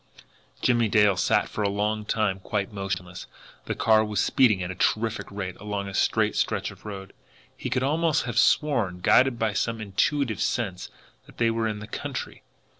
Jimmie Dale sat for a long time quite motionless. The car was speeding at a terrific rate along a straight stretch of road. He could almost have sworn, guided by some intuitive sense, that they were in the country.